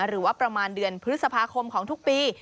หรือว่าประมาณเดือนพฤษภาคมของทุกปี